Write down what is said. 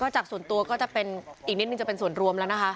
จากส่วนตัวก็จะเป็นอีกนิดนึงจะเป็นส่วนรวมแล้วนะคะ